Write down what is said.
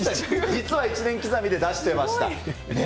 実は１年刻みで出してました。